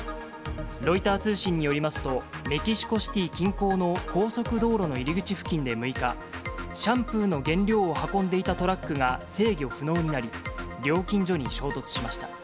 ロイター通信によりますと、メキシコシティー近郊の高速道路の入り口付近で６日、シャンプーの原料を運んでいたトラックが制御不能になり、料金所に衝突しました。